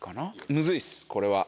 むずいっすこれは。